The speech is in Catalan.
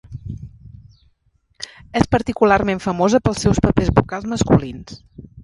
És particularment famosa pels seus papers vocals masculins.